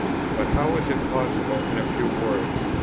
But how is that possible in a few words?